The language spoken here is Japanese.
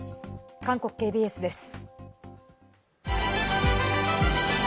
韓国ＫＢＳです。